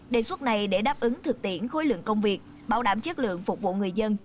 đề xuất này để đáp ứng thực tiễn khối lượng công việc bảo đảm chất lượng phục vụ người dân